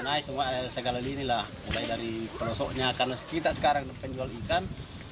nah semua segala ini lah mulai dari penosoknya karena kita sekarang penjual ikan